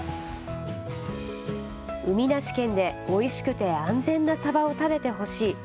海なし県でおいしくて安全なサバを食べてほしい。